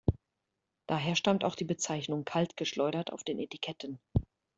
Daher stammt auch die Bezeichnung "kalt geschleudert" auf den Etiketten.